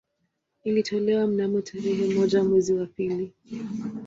Ilitolewa mnamo tarehe moja mwezi wa pili